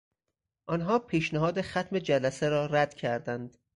آنها پیشنهاد ختم جلسه را رد کردند.